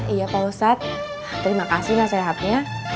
iya pak ustadz terima kasih masalah hatinya